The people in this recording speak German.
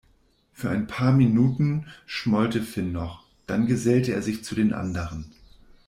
Für ein paar Minuten schmollte Finn noch, dann gesellte er sich zu den anderen.